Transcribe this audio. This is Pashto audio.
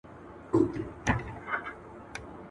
د فطري نندارو